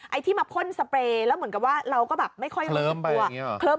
ไอ้ที่มาพ่นสเปรย์แล้วเหมือนกับว่าเราก็แบบไม่ค่อยเริ่มตัว